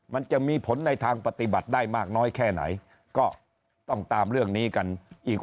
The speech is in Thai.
มันจะมีผลในทางปฏิบัติได้มากน้อยแค่ไหนก็ต้องตามเรื่องนี้กันอีก